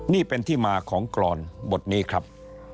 นี่เป็นที่มาของกรอนบทนี้ครับ